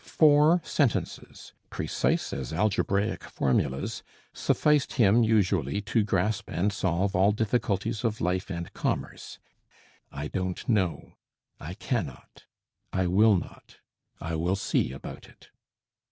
Four sentences, precise as algebraic formulas, sufficed him usually to grasp and solve all difficulties of life and commerce: "I don't know; I cannot; I will not; I will see about it."